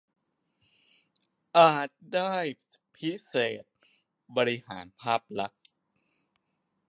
อาจได้พิเศษ บริหารภาพลักษณ์